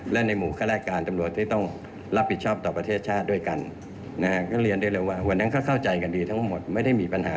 และอยากจะทำงานต่อด้วยซ้ำ